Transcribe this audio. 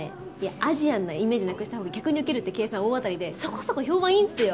アジアンなイメージなくしたほうが客にウケるって計算大当たりでそこそこ評判いいんすよ。